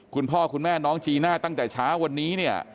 คุณพ่อคุณแม่น้องจีน่าตั้งแต่เช้าวันนี้เนี่ย